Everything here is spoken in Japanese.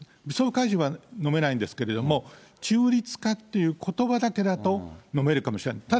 武装解除はのめないんですけれども、中立化っていうことばだけだと、のめるかもしれない。